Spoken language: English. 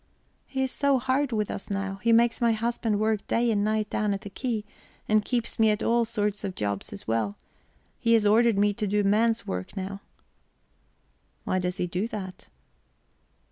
"He is so hard with us now; he makes my husband work day and night down at the quay, and keeps me at all sorts of jobs as well. He has ordered me to do man's work now." "Why does he do that?"